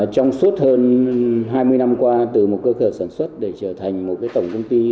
trong suốt hơn hai mươi năm qua từ một cơ sở sản xuất để trở thành một tổng công ty